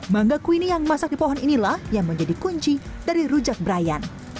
manga kweenie yang dimasak di pohon inilah yang menjadi kunci dari rujak brian